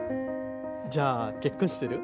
じゃあ結婚してる？